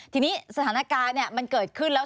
ทีนี้สถานการณ์มันเกิดขึ้นแล้ว